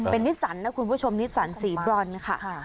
เป็นนิสสันนะคุณผู้ชมนิสสันสีบรอนค่ะ